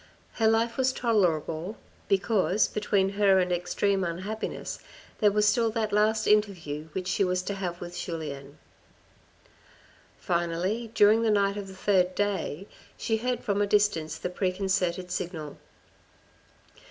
Her life was tolerable, because between her and extreme unhappiness there was still that last interview which she was to have with Julien. Finally during the night of the third day, she heard from a distance the preconcerted signal.